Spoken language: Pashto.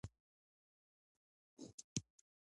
دښمن د کینې سوداګر وي